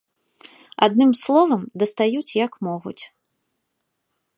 Адным словам, дастаюць як могуць.